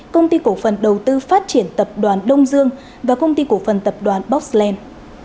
công ty cổ phần đầu tư phát triển tập đoàn đông dương và công ty cổ phần tập đoàn boxland